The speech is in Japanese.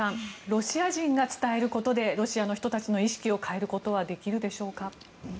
ロシア人が伝えることでロシアの人たちの意識を変えることはできるでしょうか？